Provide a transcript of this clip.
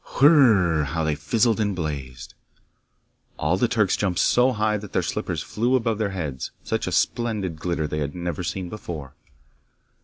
Whirr r r, how they fizzed and blazed! All the Turks jumped so high that their slippers flew above their heads; such a splendid glitter they had never seen before.